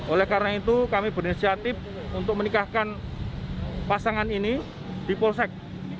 oleh karena itu kami berinisiatif untuk menikahkan pasangan ini di polsek